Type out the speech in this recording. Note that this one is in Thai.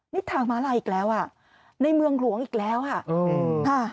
นี่ทางม้าลายอีกแล้วอ่ะในเมืองหลวงอีกแล้วอ่ะอืมค่ะ